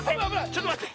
ちょっとまって。